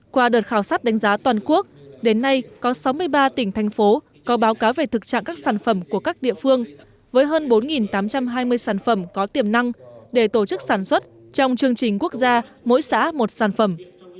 qua đợt khảo sát đánh giá toàn quốc đến nay có sáu mươi ba tỉnh thành phố có báo cáo về thực trạng các sản phẩm của các địa phương với hơn bốn tám trăm hai mươi sản phẩm có tiềm năng để tổ chức sản xuất trong chương trình quốc gia mỗi xã một sản phẩm